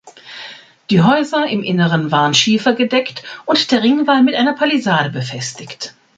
Die Häuser im Inneren waren schiefergedeckt und der Ringwall mit einer Palisade befestigt.